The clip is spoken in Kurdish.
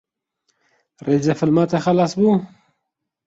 Rêzefîlma te xilas bû?